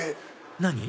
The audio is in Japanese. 何？